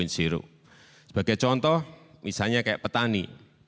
sebagai contoh misalnya kayak petani